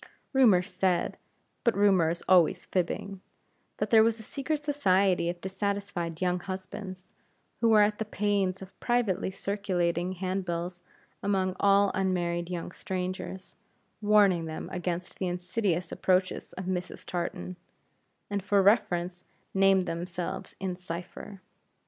Rumor said but rumor is always fibbing that there was a secret society of dissatisfied young husbands, who were at the pains of privately circulating handbills among all unmarried young strangers, warning them against the insidious approaches of Mrs. Tartan; and, for reference, named themselves in cipher.